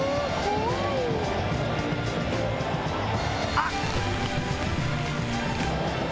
あっ！